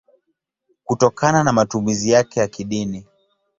kutokana na matumizi yake ya kidini.